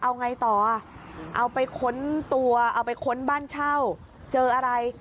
เอาไงต่ออ่ะเอาไปค้นตัวเอาไปค้นบ้านเช่าเจออะไร